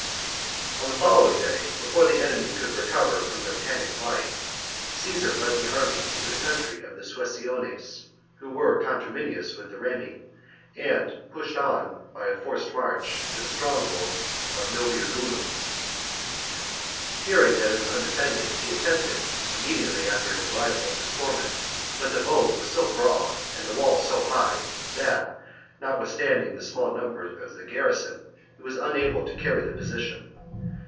12. On the day following, before the enemy He marches could recover from their panic flight, Caesar led ceivesthe . submission the army into the country of the Suessiones, oftheSues • 1 1 d • j ^^°"^s at who were conterminous with the Kemi, and Noviodu pushed on by a forced march "" to the stronghold miersS), of Noviodunum. Hearing that it was undefended, he attempted, immediately after his arrival, to storm it ; but the moat was so broad and the wall so high that, notwithstanding the small numbers of the garrison, he was unable to carry the position.